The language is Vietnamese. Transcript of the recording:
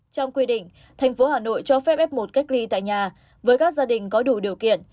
trong quy định thành phố hà nội cho phép f một cách ly tại nhà với các gia đình có đủ điều kiện